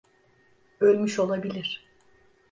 Ölmüş olabilir.